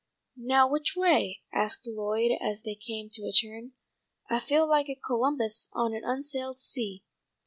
"Now which way?" asked Lloyd as they came to a turn. "I feel like a Columbus on an unsailed sea.